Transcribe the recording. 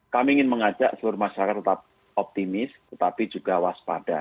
kami ingin mengajak seluruh masyarakat tetap optimis tetapi juga waspada